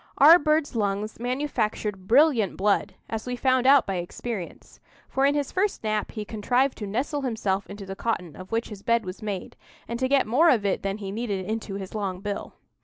Our bird's lungs manufactured brilliant blood, as we found out by experience; for in his first nap he contrived to nestle himself into the cotton of which his bed was made, and to get more of it than he needed into his long bill.